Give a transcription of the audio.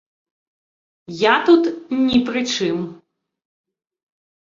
Я тут ні пры чым.